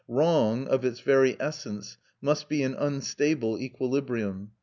Wrong, of its very essence, must be in unstable equilibrium.